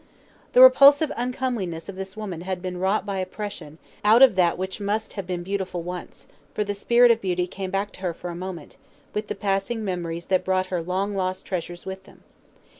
The repulsive uncomeliness of this woman had been wrought by oppression out of that which must have been beautiful once; for the spirit of beauty came back to her for a moment, with the passing memories that brought her long lost treasures with them.